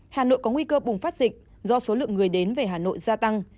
hà nội có nguy cơ bùng phát dịch do số lượng người đến về hà nội gia tăng